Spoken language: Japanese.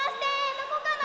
どこかな？